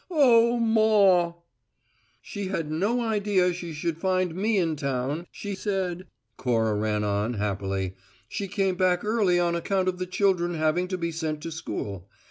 Oh, maw!" "She had no idea she should find me in town, she said," Cora ran on, happily. "She came back early on account of the children having to be sent to school.